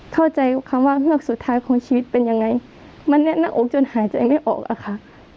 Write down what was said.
เข้าใจคำว่าเฮือกสุดท้ายของชีวิตเป็นยังไงมันแน่นหน้าอกจนหายใจไม่ออกอะค่ะ